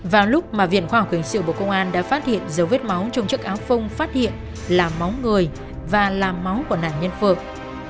vào lúc mà viện khoa học hình sự bộ công an đã phát hiện dấu vết máu trong chiếc áo phông phát hiện là máu người và làm máu của nạn nhân phượng